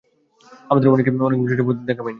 আমাদের কেউই অনেক বছর যাবত ওর দেখা পাইনি।